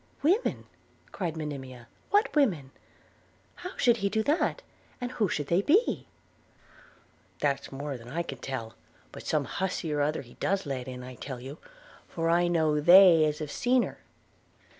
'Women!' cried Monimia, 'what women? How should he do that? and who should they be?' 'That's more than I can tell; but some hussy or other he does let in, I tell you, for I know they as have seen her.